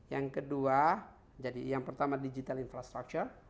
yang kedua jadi yang pertama digital infrastructure